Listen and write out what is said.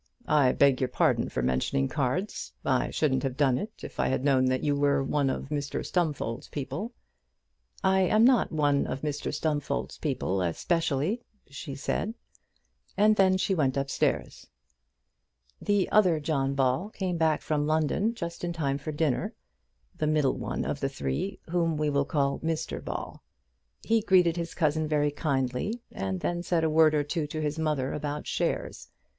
"I beg your pardon for mentioning cards. I shouldn't have done it, if I had known that you were one of Mr Stumfold's people." "I am not one of Mr Stumfold's people especially," she said, and then she went upstairs. The other John Ball came back from London just in time for dinner the middle one of the three, whom we will call Mr Ball. He greeted his cousin very kindly, and then said a word or two to his mother about shares.